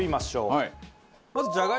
はい。